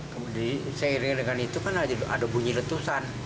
kemudian saya dengar dengan itu kan ada bunyi letusan